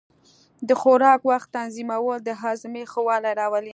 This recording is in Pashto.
د خوراک وخت تنظیمول د هاضمې ښه والی راولي.